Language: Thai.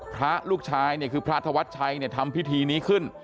พระลูกชายเนี่ยคือพระธวัชชัยเนี่ยทำพิธีนี้ขึ้น